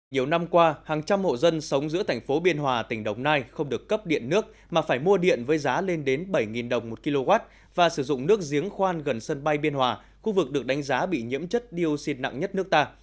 nhiều năm qua hàng trăm hộ dân sống giữa thành phố biên hòa tỉnh đồng nai không được cấp điện nước mà phải mua điện với giá lên đến bảy đồng một kw và sử dụng nước giếng khoan gần sân bay biên hòa khu vực được đánh giá bị nhiễm chất dioxin nặng nhất nước ta